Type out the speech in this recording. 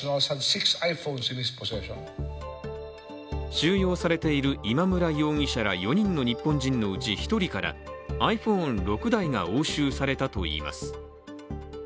収容されている今村容疑者ら４人の日本人のうち１人からｉＰｈｏｎｅ６台が押収されたといいます。